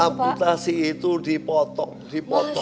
amputasi itu dipotong dipotong